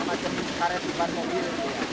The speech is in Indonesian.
macet karet di bar mobil